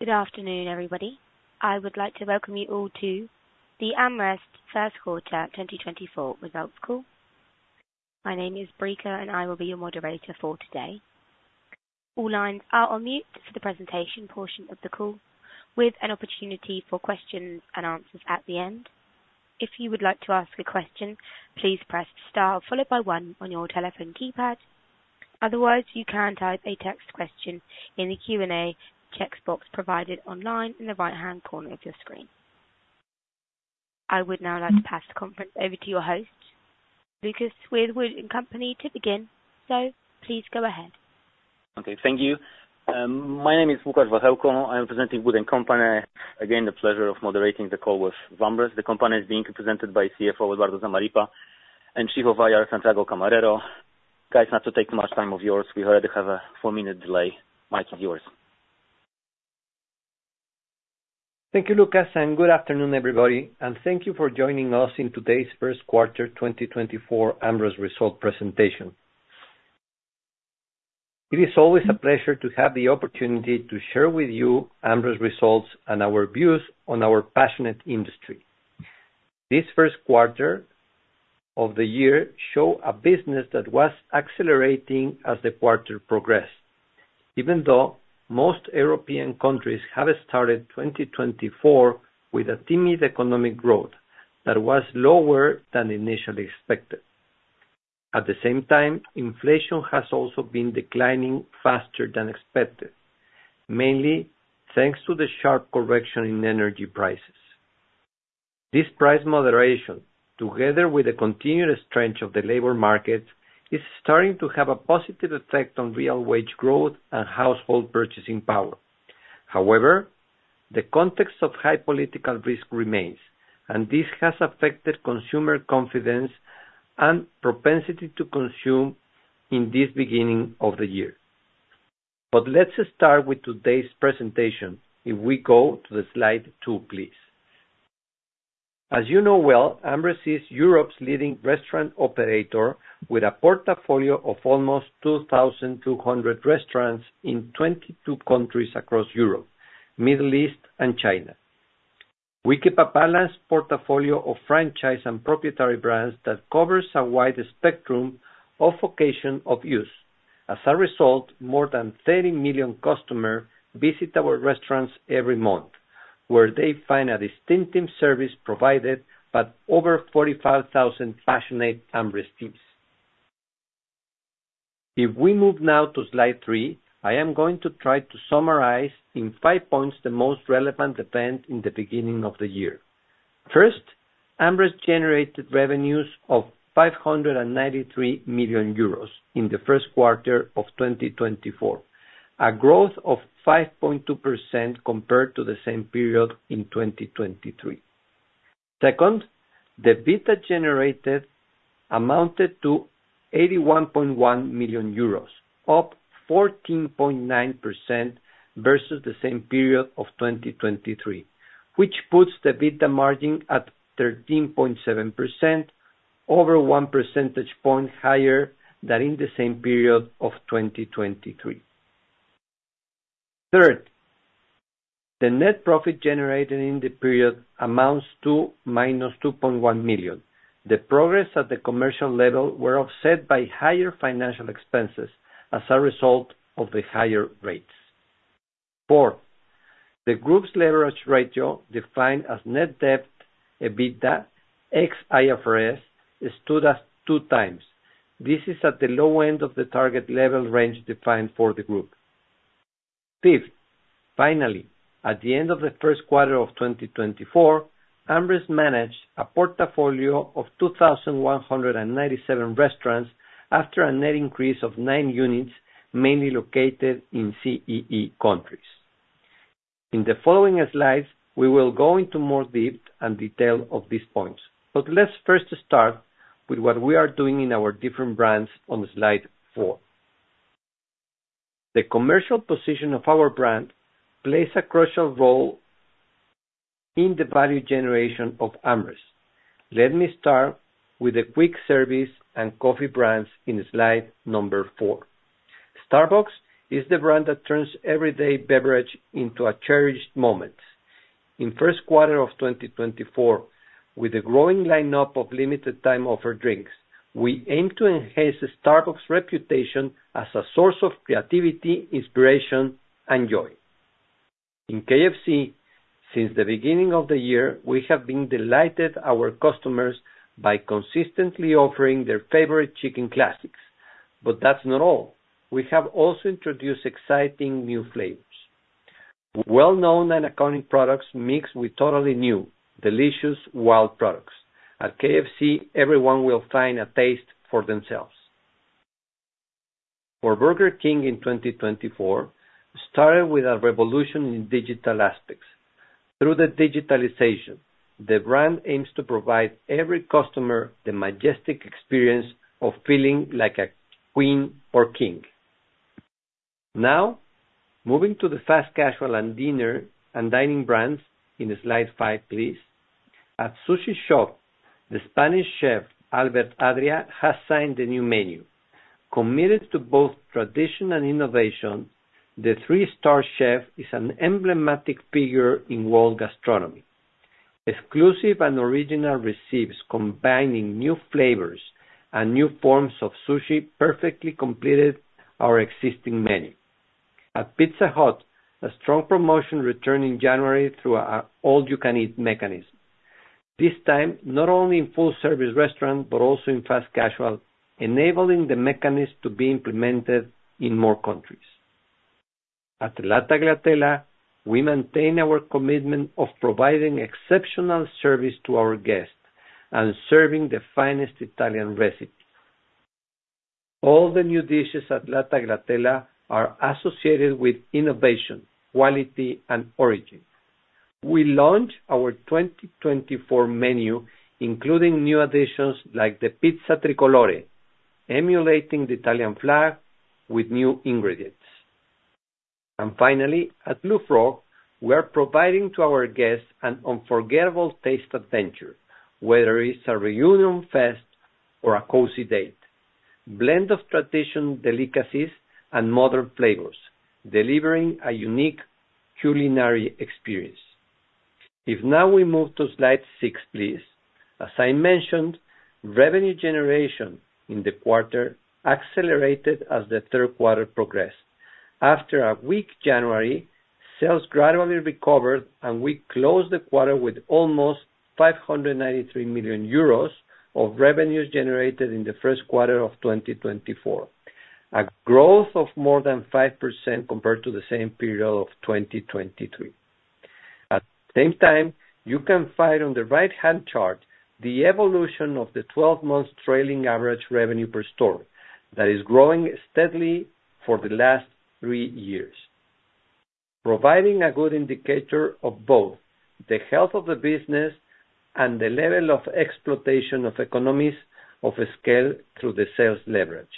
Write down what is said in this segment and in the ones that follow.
Good afternoon, everybody. I would like to welcome you all to the AmRest First Quarter 2024 Results Call. My name is Prisca, and I will be your moderator for today. All lines are on mute for the presentation portion of the call, with an opportunity for questions and answers at the end. If you would like to ask a question, please press star followed by one on your telephone keypad. Otherwise, you can type a text question in the Q&A checkbox provided online in the right-hand corner of your screen. I would now like to pass the conference over to your host, Lukasz, with WOOD & Company, to begin, so please go ahead. Okay, thank you. My name is Lukasz Wachelko. I'm presenting WOOD & Company. Again, the pleasure of moderating the call with AmRest. The company is being presented by CFO, Eduardo Zamarripa, and Chief of IR Santiago Camarero. Guys, not to take much time of yours, we already have a four-minute delay. Mic is yours. Thank you, Lukasz, and good afternoon, everybody, and thank you for joining us in today's first quarter 2024 AmRest result presentation. It is always a pleasure to have the opportunity to share with you AmRest results and our views on our passionate industry. This first quarter of the year show a business that was accelerating as the quarter progressed, even though most European countries have started 2024 with a timid economic growth that was lower than initially expected. At the same time, inflation has also been declining faster than expected, mainly thanks to the sharp correction in energy prices. This price moderation, together with the continued strength of the labor market, is starting to have a positive effect on real wage growth and household purchasing power. However, the context of high political risk remains, and this has affected consumer confidence and propensity to consume in this beginning of the year. But let's start with today's presentation. If we go to Slide 2, please. As you know well, AmRest is Europe's leading restaurant operator, with a portfolio of almost 2,200 restaurants in 22 countries across Europe, Middle East, and China. We keep a balanced portfolio of franchise and proprietary brands that covers a wide spectrum of location of use. As a result, more than 30 million customers visit our restaurants every month, where they find a distinctive service provided by over 45,000 passionate AmRest teams. If we move now to Slide 3, I am going to try to summarize in 5 points the most relevant event in the beginning of the year. First, AmRest generated revenues of 593 million euros in the first quarter of 2024, a growth of 5.2% compared to the same period in 2023. Second, the EBITDA generated amounted to EUR 81.1 million, up 14.9% versus the same period of 2023, which puts the EBITDA margin at 13.7%, over 1 percentage point higher than in the same period of 2023. Third, the net profit generated in the period amounts to -2.1 million. The progress at the commercial level were offset by higher financial expenses as a result of the higher rates. Four, the group's leverage ratio, defined as Net Debt/EBITDA, ex IFRS, stood at 2x. This is at the low end of the target level range defined for the group. Fifth, finally, at the end of the first quarter of 2024, AmRest managed a portfolio of 2,097 restaurants after a net increase of 9 units, mainly located in CEE countries. In the following slides, we will go into more depth and detail of these points, but let's first start with what we are doing in our different brands on slide 4. The commercial position of our brand plays a crucial role in the value generation of AmRest. Let me start with a quick service and coffee brands in slide number 4. Starbucks is the brand that turns everyday beverage into a cherished moment. In first quarter of 2024, with a growing lineup of limited time offer drinks, we aim to enhance the Starbucks reputation as a source of creativity, inspiration, and joy. In KFC, since the beginning of the year, we have been delighted our customers by consistently offering their favorite chicken classics. But that's not all. We have also introduced exciting new flavors. Well-known and iconic products mixed with totally new, delicious, wild products. At KFC, everyone will find a taste for themselves. For Burger King in 2024, started with a revolution in digital aspects. Through the digitalization, the brand aims to provide every customer the majestic experience of feeling like a queen or king. Now, moving to the fast casual and dinner and dining brands in slide 5, please. At Sushi Shop, the Spanish chef, Albert Adrià, has signed the new menu. Committed to both tradition and innovation, the three-star chef is an emblematic figure in world gastronomy. Exclusive and original recipes combining new flavors and new forms of sushi perfectly completed our existing menu. At Pizza Hut, a strong promotion returned in January through an all-you-can-eat mechanism. This time, not only in full-service restaurant, but also in fast casual, enabling the mechanism to be implemented in more countries. At La Tagliatella, we maintain our commitment of providing exceptional service to our guests and serving the finest Italian recipes. All the new dishes at La Tagliatella are associated with innovation, quality, and origin. We launched our 2024 menu, including new additions like the Pizza Tricolore, emulating the Italian flag with new ingredients. Finally, at Blue Frog, we are providing to our guests an unforgettable taste adventure, whether it's a reunion fest or a cozy date. Blend of tradition, delicacies, and modern flavors, delivering a unique culinary experience. If now we move to slide 6, please. As I mentioned, revenue generation in the quarter accelerated as the third quarter progressed. After a weak January, sales gradually recovered, and we closed the quarter with almost 593 million euros of revenues generated in the first quarter of 2024, a growth of more than 5% compared to the same period of 2023. At the same time, you can find on the right-hand chart, the evolution of the 12-month trailing average revenue per store, that is growing steadily for the last three years, providing a good indicator of both the health of the business and the level of exploitation of economies of scale through the sales leverage.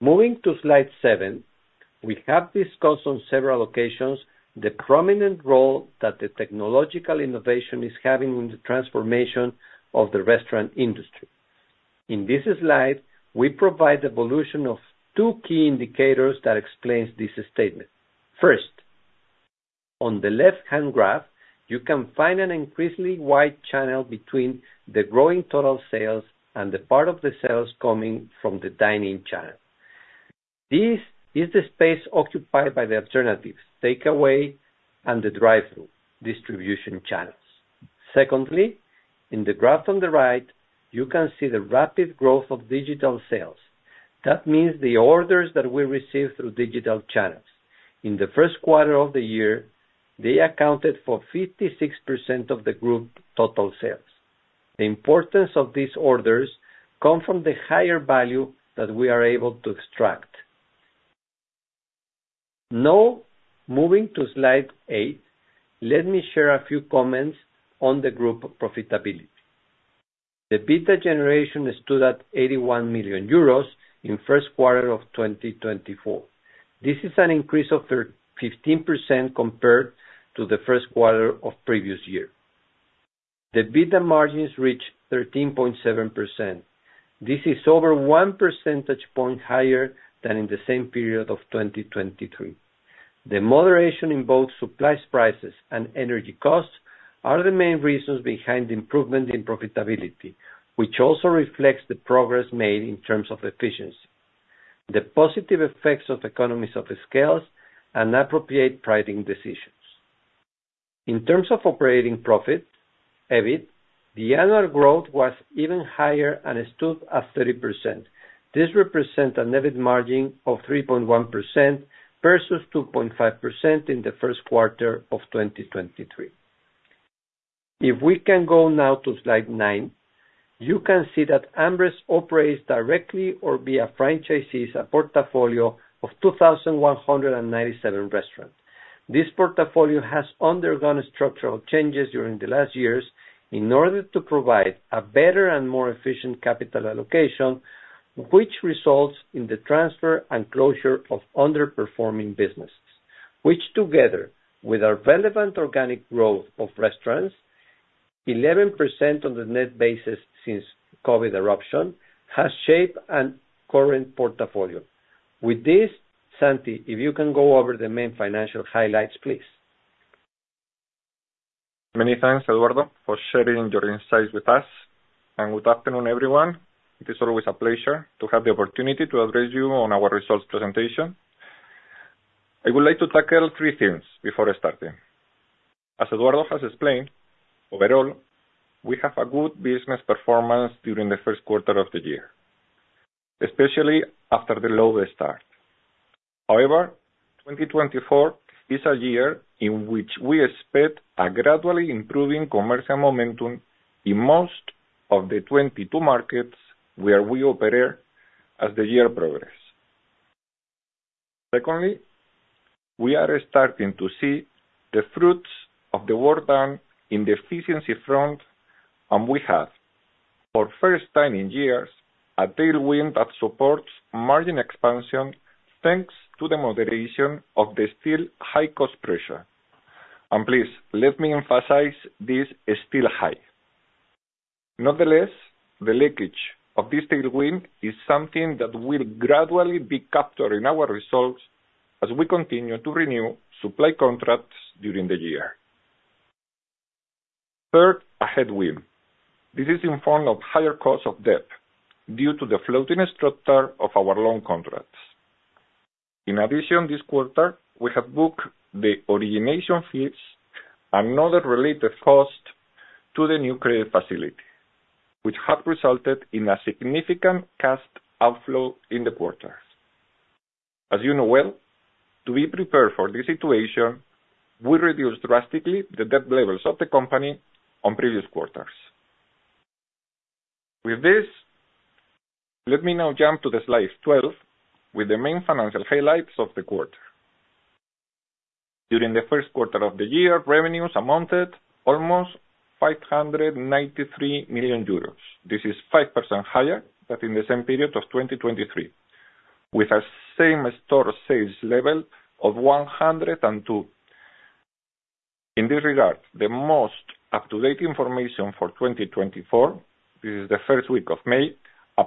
Moving to slide 7, we have discussed on several occasions the prominent role that the technological innovation is having in the transformation of the restaurant industry. In this slide, we provide the evolution of two key indicators that explains this statement. First, on the left-hand graph, you can find an increasingly wide channel between the growing total sales and the part of the sales coming from the dine-in channel. This is the space occupied by the alternatives, takeaway and the drive-thru distribution channels. Secondly, in the graph on the right, you can see the rapid growth of digital sales. That means the orders that we receive through digital channels. In the first quarter of the year, they accounted for 56% of the group total sales. The importance of these orders come from the higher value that we are able to extract. Now, moving to slide eight, let me share a few comments on the group profitability. The EBITDA generation stood at 81 million euros in first quarter of 2024. This is an increase of 15% compared to the first quarter of previous year. The EBITDA margins reached 13.7%. This is over one percentage point higher than in the same period of 2023. The moderation in both supply prices and energy costs are the main reasons behind the improvement in profitability, which also reflects the progress made in terms of efficiency, the positive effects of economies of scale, and appropriate pricing decisions. In terms of operating profit, EBIT, the annual growth was even higher and it stood at 30%. This represent an EBIT margin of 3.1% versus 2.5% in the first quarter of 2023. If we can go now to slide 9, you can see that AmRest operates directly or via franchisees, a portfolio of 2,197 restaurants. This portfolio has undergone structural changes during the last years in order to provide a better and more efficient capital allocation, which results in the transfer and closure of underperforming businesses, which together with our relevant organic growth of restaurants, 11% on the net basis since COVID eruption, has shaped a current portfolio. With this, Santi, if you can go over the main financial highlights, please. Many thanks, Eduardo, for sharing your insights with us, and good afternoon, everyone. It is always a pleasure to have the opportunity to address you on our results presentation. I would like to tackle three things before starting. As Eduardo has explained, overall, we have a good business performance during the first quarter of the year, especially after the low start. However, 2024 is a year in which we expect a gradually improving commercial momentum in most of the 22 markets where we operate as the year progresses. Secondly, we are starting to see the fruits of the work done in the efficiency front, and we have, for the first time in years, a tailwind that supports margin expansion, thanks to the moderation of the still high cost pressure. And please, let me emphasize, this is still high. Nonetheless, the leakage of this tailwind is something that will gradually be captured in our results as we continue to renew supply contracts during the year. Third, a headwind. This is in form of higher cost of debt due to the floating structure of our loan contracts. In addition, this quarter, we have booked the origination fees and other related costs to the new credit facility, which have resulted in a significant cash outflow in the quarter. As you know well, to be prepared for this situation, we reduced drastically the debt levels of the company on previous quarters. With this, let me now jump to the slide 12, with the main financial highlights of the quarter. During the first quarter of the year, revenues amounted almost 593 million euros. This is 5% higher than in the same period of 2023, with a same-store sales level of 102. In this regard, the most up-to-date information for 2024, this is the first week of May,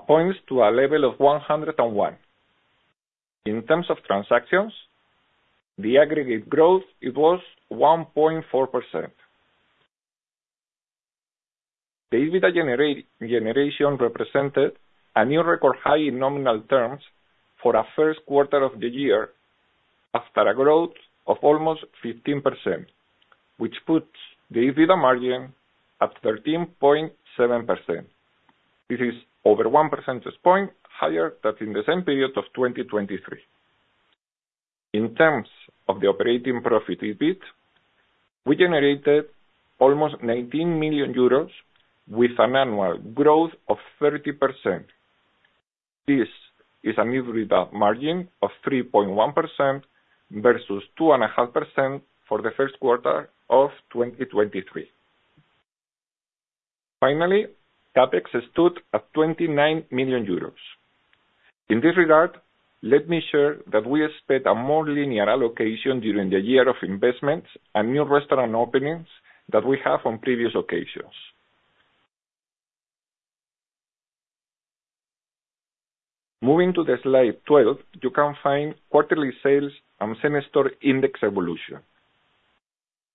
points to a level of 101. In terms of transactions, the aggregate growth, it was 1.4%. The EBITDA generation represented a new record high in nominal terms for a first quarter of the year, after a growth of almost 15%, which puts the EBITDA margin at 13.7%. This is over one percentage point higher than in the same period of 2023. In terms of the operating profit, EBIT, we generated almost 19 million euros, with an annual growth of 30%. This is an EBITDA margin of 3.1% versus 2.5% for the first quarter of 2023. Finally, CapEx stood at 29 million euros. In this regard, let me share that we expect a more linear allocation during the year of investments and new restaurant openings than we have on previous occasions. Moving to slide 12, you can find quarterly sales and same-store index evolution.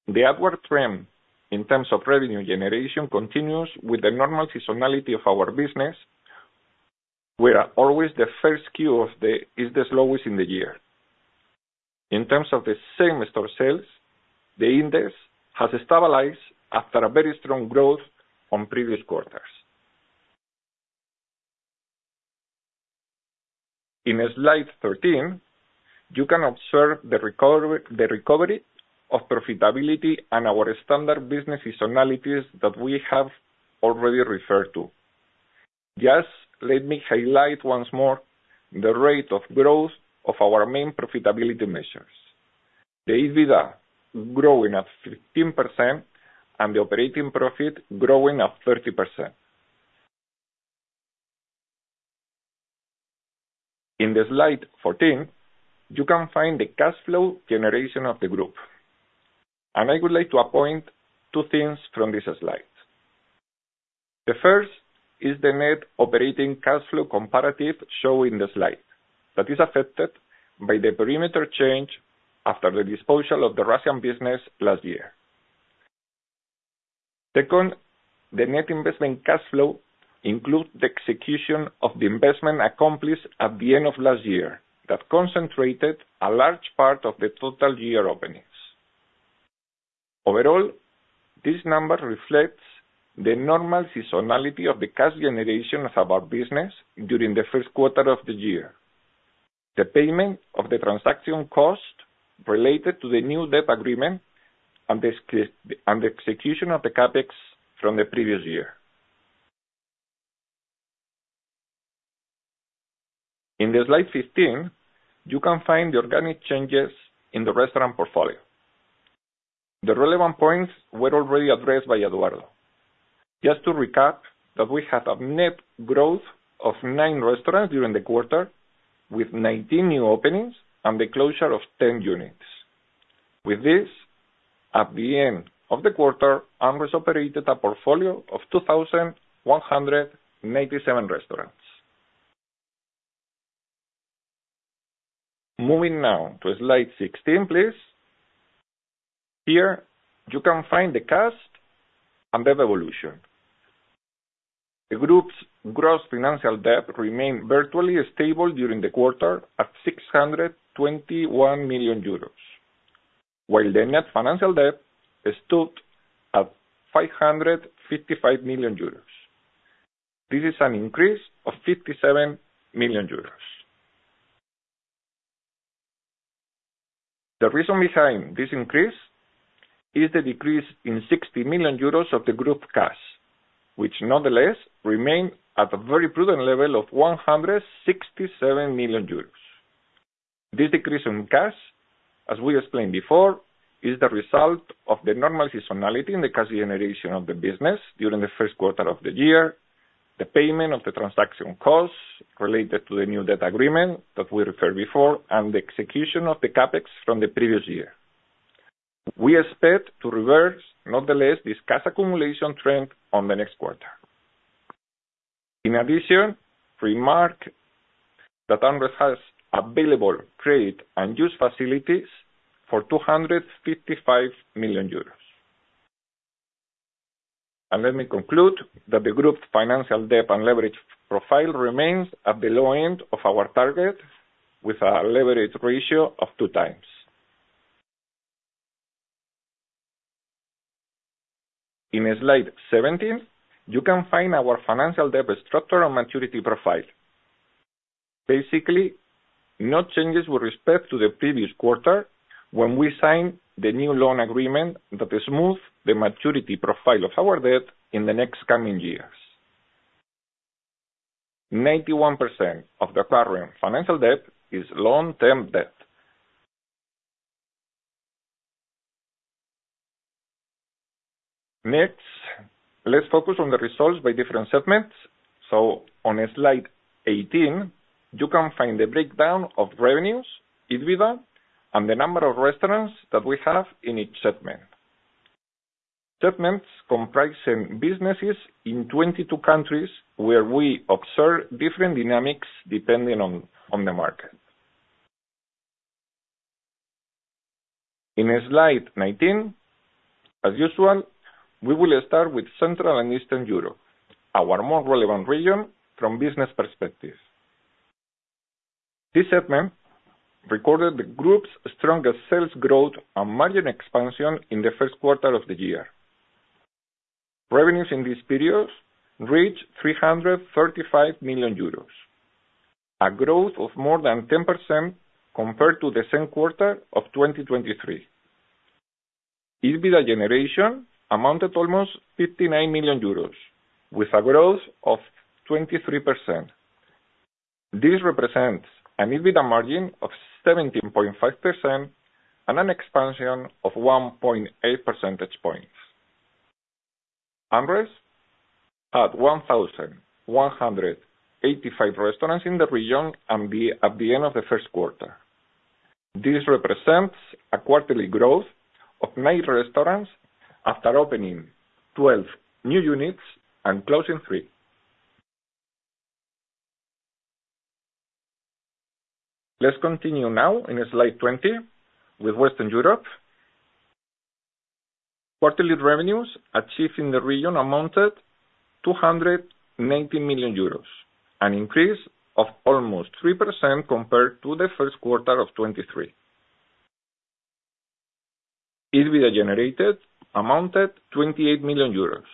The upward trend in terms of revenue generation continues with the normal seasonality of our business, where always the first Q of the year is the slowest in the year. In terms of the same-store sales, the index has stabilized after a very strong growth on previous quarters. In slide 13, you can observe the recovery of profitability and our standard business seasonalities that we have already referred to. Just let me highlight once more the rate of growth of our main profitability measures. The EBITDA, growing at 15%, and the operating profit growing at 30%. In slide 14, you can find the cash flow generation of the group, and I would like to point out two things from this slide. The first is the net operating cash flow comparative shown in the slide, that is affected by the perimeter change after the disposal of the Russian business last year. Second, the net investment cash flow includes the execution of the investment accomplished at the end of last year, that concentrated a large part of the total year openings. Overall, this number reflects the normal seasonality of the cash generation of our business during the first quarter of the year, the payment of the transaction costs related to the new debt agreement, and the execution of the CapEx from the previous year. In the slide 15, you can find the organic changes in the restaurant portfolio. The relevant points were already addressed by Eduardo. Just to recap, that we had a net growth of 9 restaurants during the quarter, with 19 new openings and the closure of 10 units. With this, at the end of the quarter, AmRest operated a portfolio of 2,187 restaurants. Moving now to slide 16, please. Here, you can find the cash and debt evolution. The group's gross financial debt remained virtually stable during the quarter at 621 million euros, while the net financial debt stood at 555 million euros. This is an increase of 57 million euros. The reason behind this increase is the decrease in 60 million euros of the group cash, which nonetheless remained at a very prudent level of 167 million euros. This decrease in cash, as we explained before, is the result of the normal seasonality in the cash generation of the business during the first quarter of the year, the payment of the transaction costs related to the new debt agreement that we referred before, and the execution of the CapEx from the previous year. We expect to reverse, nonetheless, this cash accumulation trend on the next quarter. In addition, we mark that AmRest has available trade and use facilities for 255 million euros. Let me conclude that the group's financial debt and leverage profile remains at the low end of our target, with a leverage ratio of 2x. In slide 17, you can find our financial debt structure and maturity profile. Basically, no changes with respect to the previous quarter, when we signed the new loan agreement that smooth the maturity profile of our debt in the next coming years. 91% of the current financial debt is long-term debt. Next, let's focus on the results by different segments. So on slide 18, you can find the breakdown of revenues, EBITDA, and the number of restaurants that we have in each segment. Segments comprising businesses in 22 countries, where we observe different dynamics depending on the market. In slide 19, as usual, we will start with Central and Eastern Europe, our more relevant region from business perspectives. This segment recorded the group's strongest sales growth and margin expansion in the first quarter of the year. Revenues in this period reached 335 million euros, a growth of more than 10% compared to the same quarter of 2023. EBITDA generation amounted almost 59 million euros, with a growth of 23%. This represents an EBITDA margin of 17.5% and an expansion of 1.8 percentage points. AmRest had 1,185 restaurants in the region at the end of the first quarter. This represents a quarterly growth of nine restaurants after opening 12 new units and closing three. Let's continue now in slide 20 with Western Europe. Quarterly revenues achieved in the region amounted 290 million euros, an increase of almost 3% compared to the first quarter of 2023. EBITDA generated amounted 28 million euros,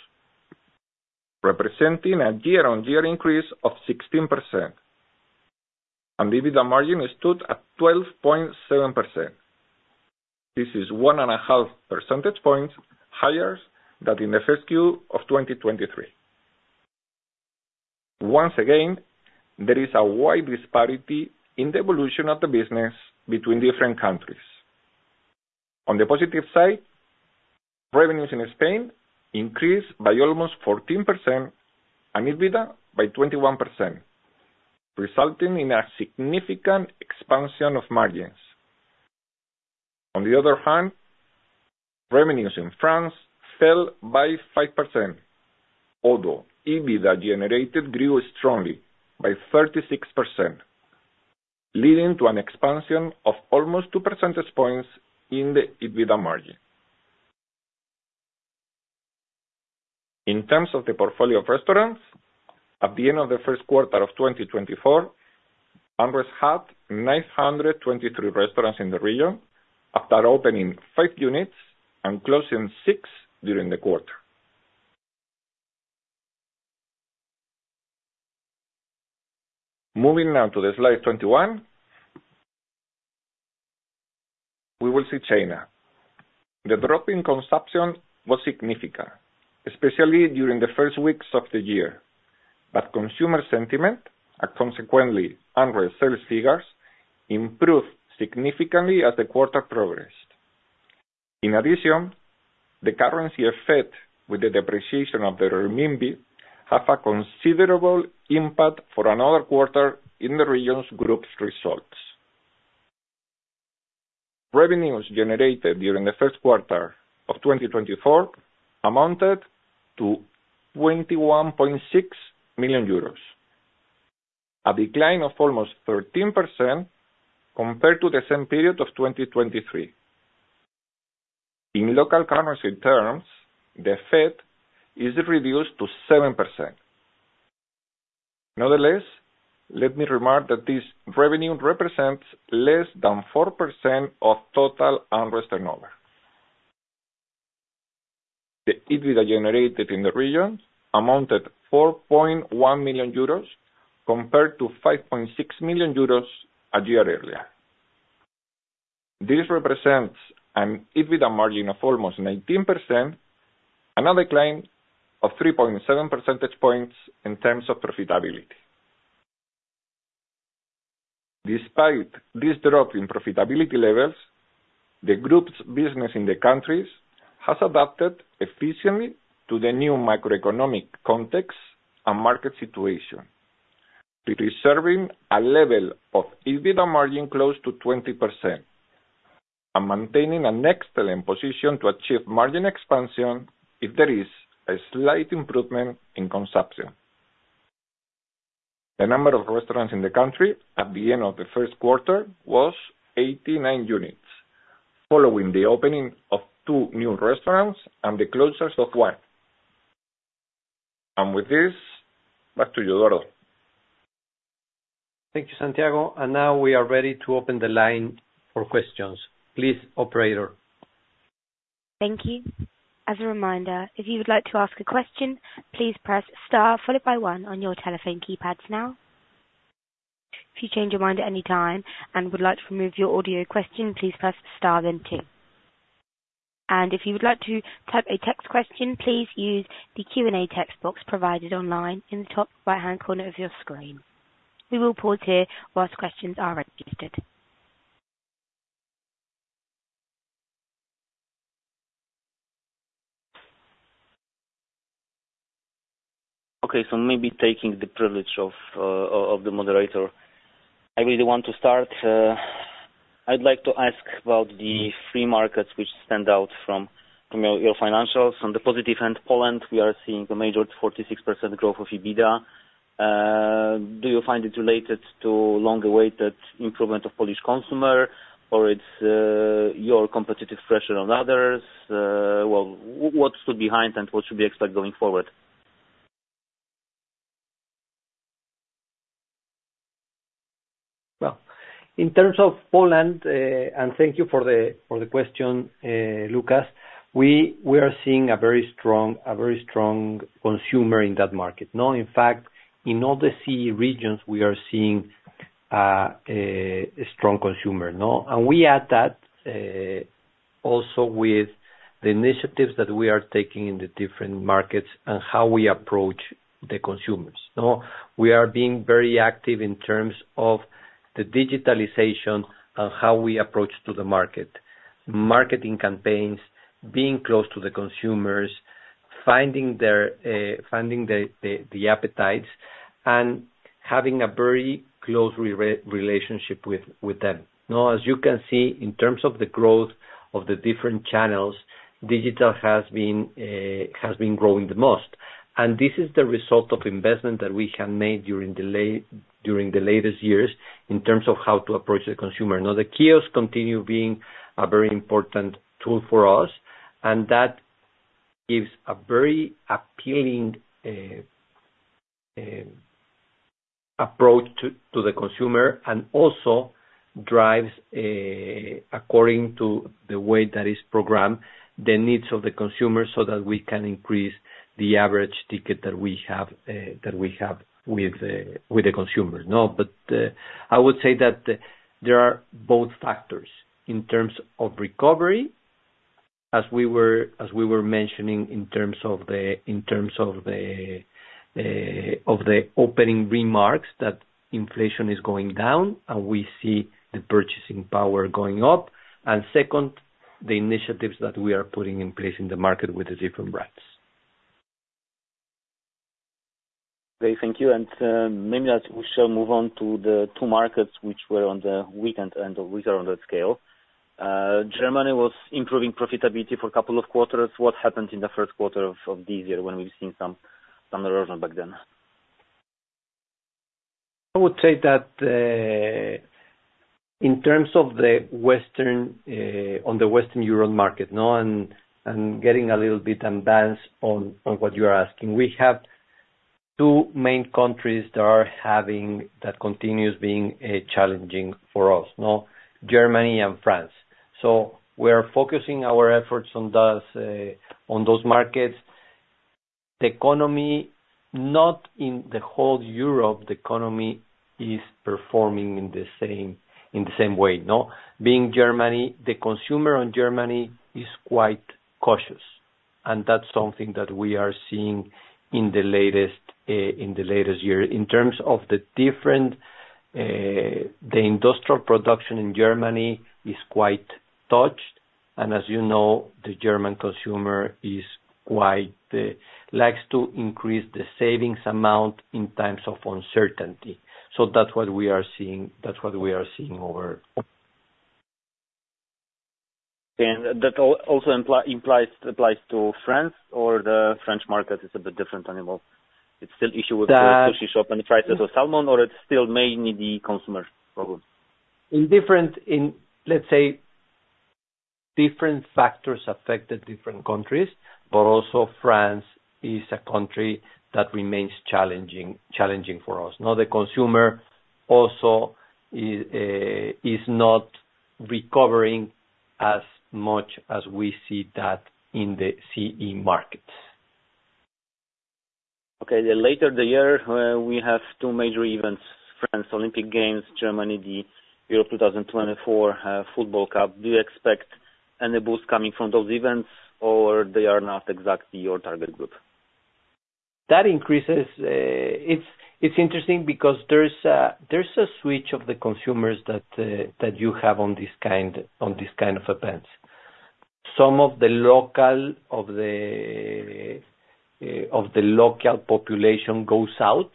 representing a year-on-year increase of 16%, and EBITDA margin stood at 12.7%. This is 1.5 percentage points higher than in the first Q of 2023. Once again, there is a wide disparity in the evolution of the business between different countries. On the positive side, revenues in Spain increased by almost 14% and EBITDA by 21%, resulting in a significant expansion of margins. On the other hand, revenues in France fell by 5%, although EBITDA generated grew strongly by 36%, leading to an expansion of almost 2 percentage points in the EBITDA margin. In terms of the portfolio of restaurants, at the end of the first quarter of 2024, AmRest had 923 restaurants in the region after opening 5 units and closing 6 during the quarter. Moving now to the slide 21, we will see China. The drop in consumption was significant, especially during the first weeks of the year, but consumer sentiment, and consequently, AmRest sales figures, improved significantly as the quarter progressed. In addition, the currency effect with the depreciation of the renminbi have a considerable impact for another quarter in the region's group's results. Revenues generated during the first quarter of 2024 amounted to 21.6 million euros, a decline of almost 13% compared to the same period of 2023. In local currency terms, the effect is reduced to 7%. Nonetheless, let me remark that this revenue represents less than 4% of total AmRest turnover. The EBITDA generated in the region amounted 4.1 million euros, compared to 5.6 million euros a year earlier.... This represents an EBITDA margin of almost 19%, another decline of 3.7 percentage points in terms of profitability. Despite this drop in profitability levels, the group's business in the countries has adapted efficiently to the new macroeconomic context and market situation, preserving a level of EBITDA margin close to 20%, and maintaining an excellent position to achieve margin expansion if there is a slight improvement in consumption. The number of restaurants in the country at the end of the first quarter was 89 units, following the opening of 2 new restaurants and the closures of 1. And with this, back to you, Eduardo. Thank you, Santiago. And now we are ready to open the line for questions. Please, operator. Thank you. As a reminder, if you would like to ask a question, please press star followed by one on your telephone keypads now. If you change your mind at any time and would like to remove your audio question, please press star then two. If you would like to type a text question, please use the Q&A text box provided online in the top right-hand corner of your screen. We will pause here while questions are registered. Okay, so maybe taking the privilege of the moderator, I really want to start. I'd like to ask about the key markets which stand out from your financials. On the positive end, Poland, we are seeing a major 46% growth of EBITDA. Do you find it related to long-awaited improvement of Polish consumer or it's your competitive pressure on others? Well, what's still behind and what should we expect going forward? Well, in terms of Poland, and thank you for the question, Lukasz. We are seeing a very strong consumer in that market. Now, in fact, in all the CEE regions, we are seeing a strong consumer, no? And we add that also with the initiatives that we are taking in the different markets and how we approach the consumers, no? We are being very active in terms of the digitalization and how we approach to the market, marketing campaigns, being close to the consumers, finding their appetites, and having a very close relationship with them. Now, as you can see, in terms of the growth of the different channels, digital has been growing the most. This is the result of investment that we have made during the last, during the latest years in terms of how to approach the consumer. Now, the kiosks continue being a very important tool for us, and that gives a very appealing approach to the consumer, and also drives, according to the way that is programmed, the needs of the consumer so that we can increase the average ticket that we have with the consumer. No, but I would say that there are both factors in terms of recovery, as we were mentioning in terms of the opening remarks, that inflation is going down, and we see the purchasing power going up, and second, the initiatives that we are putting in place in the market with the different brands. Okay, thank you. And, maybe as we shall move on to the two markets which were on the weak end and which are on that scale. Germany was improving profitability for a couple of quarters. What happened in the first quarter of this year when we've seen some erosion back then? I would say that, in terms of the Western, on the Western Europe market, now I'm getting a little bit advanced on what you are asking. We have two main countries that continues being challenging for us, no? Germany and France. So we are focusing our efforts on those markets. The economy, not in the whole Europe, the economy is performing in the same, in the same way, no? In Germany, the consumer in Germany is quite cautious, and that's something that we are seeing in the latest year. In terms of the different, the industrial production in Germany is quite tough, and as you know, the German consumer is quite like to increase the savings amount in times of uncertainty. So that's what we are seeing. That's what we are seeing over. And that also applies to France, or the French market is a bit different anymore? It's still issue with the- The-... Sushi Shop and the prices of salmon, or it's still mainly the consumer problem? In different, let's say, different factors affected different countries, but also France is a country that remains challenging for us. Now, the consumer also is not recovering as much as we see that in the CEE markets.... Okay, then later this year, we have two major events, France Olympic Games, Germany, the Euro 2024, Football Cup. Do you expect any boost coming from those events, or they are not exactly your target group? That increases. It's interesting because there's a switch of the consumers that you have on this kind of events. Some of the local of the local population goes out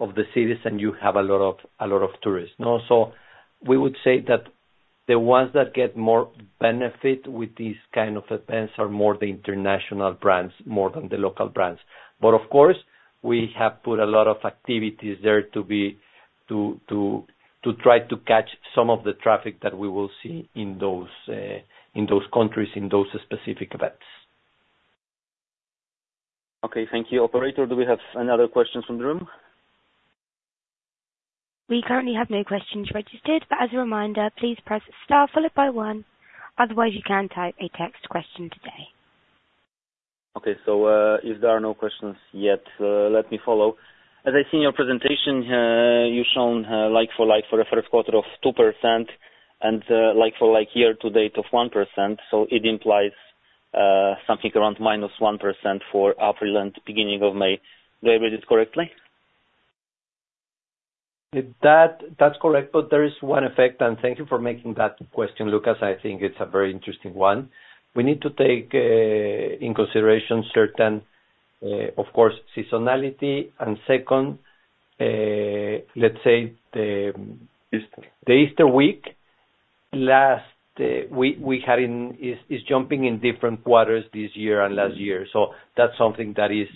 of the cities, and you have a lot of tourists. Now, so we would say that the ones that get more benefit with these kind of events are more the international brands, more than the local brands. But of course, we have put a lot of activities there to try to catch some of the traffic that we will see in those countries, in those specific events. Okay. Thank you. Operator, do we have another question from the room? We currently have no questions registered, but as a reminder, please press star followed by one. Otherwise, you can type a text question today. Okay. So, if there are no questions yet, let me follow. As I see in your presentation, you've shown, like-for-like for the first quarter of 2% and, like-for-like year-to-date of 1%. So it implies, something around -1% for our present beginning of May. Do I read it correctly? That, that's correct, but there is one effect, and thank you for making that question, Lukasz. I think it's a very interesting one. We need to take, in consideration certain, of course, seasonality, and second, let's say, the- Easter... the Easter week last we had in is jumping in different quarters this year and last year. So that's something that is,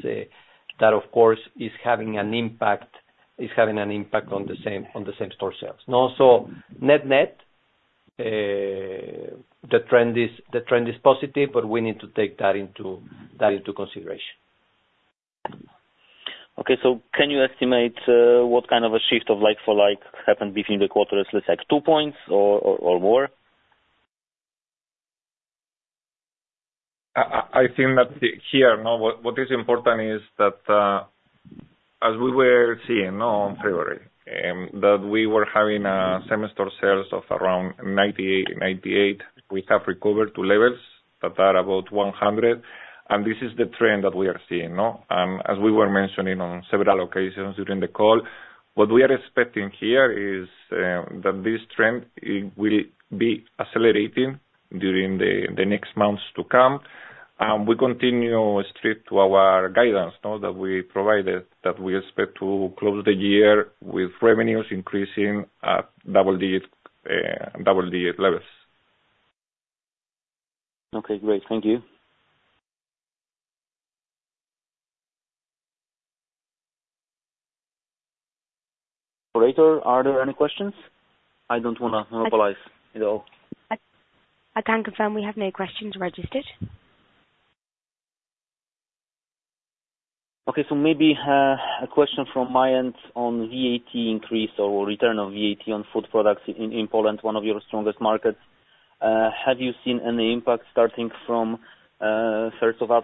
that of course is having an impact, is having an impact on the same, on the same-store sales. Now, so net-net, the trend is, the trend is positive, but we need to take that into, that into consideration. Okay. So can you estimate what kind of a shift of like-for-like happened between the quarters, let's say like 2 points or more? I think that here, now, what is important is that, as we were seeing now in February, that we were having same store sales of around 98, 98. We have recovered to levels that are about 100, and this is the trend that we are seeing, no? As we were mentioning on several occasions during the call, what we are expecting here is, that this trend, it will be accelerating during the next months to come. And we continue strict to our guidance, now, that we provided, that we expect to close the year with revenues increasing at double-digit levels. Okay, great. Thank you. Operator, are there any questions? I don't wanna apologize at all. I can confirm we have no questions registered. Okay, so maybe a question from my end on VAT increase or return of VAT on food products in Poland, one of your strongest markets. Have you seen any impact starting from first of all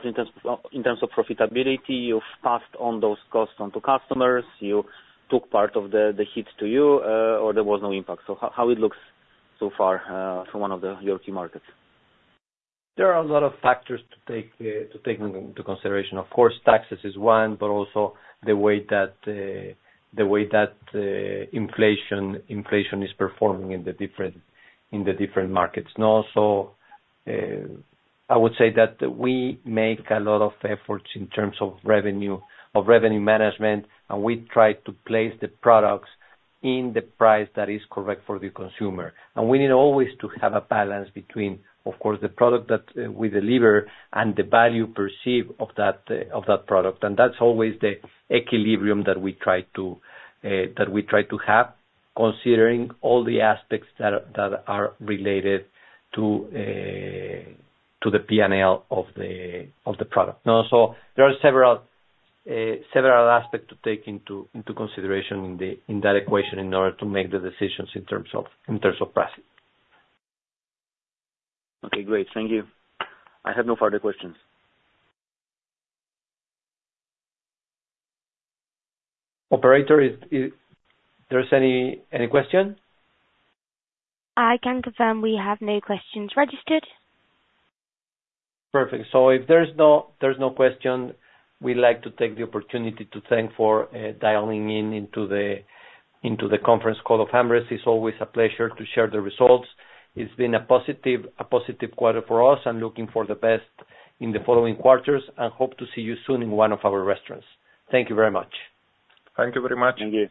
in terms of profitability, you've passed on those costs on to customers, you took part of the hit to you, or there was no impact? So how it looks so far from one of the key markets? There are a lot of factors to take into consideration. Of course, taxes is one, but also the way that inflation is performing in the different markets. I would say that we make a lot of efforts in terms of revenue management, and we try to place the products in the price that is correct for the consumer. And we need always to have a balance between, of course, the product that we deliver and the value perceived of that product. And that's always the equilibrium that we try to have, considering all the aspects that are related to the P&L of the product. Now, so there are several aspects to take into consideration in that equation in order to make the decisions in terms of pricing. Okay, great. Thank you. I have no further questions. Operator, is there any question? I can confirm we have no questions registered. Perfect. So if there's no question, we'd like to take the opportunity to thank you for dialing in to the conference call of AmRest. It's always a pleasure to share the results. It's been a positive quarter for us and looking forward to the best in the following quarters, and hope to see you soon in one of our restaurants. Thank you very much. Thank you very much. Thank you.